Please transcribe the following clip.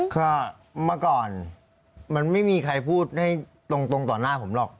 ก็เมื่อก่อนมันไม่มีใครพูดให้ตรงต่อหน้าผมหรอก